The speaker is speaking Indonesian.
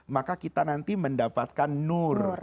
maka kita nanti mendapatkan nur